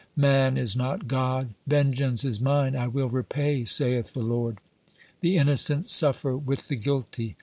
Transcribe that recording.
man is not God! 'Vengeance is mine, I will repay, saith the Lord!' The innocent suffer with the guilty.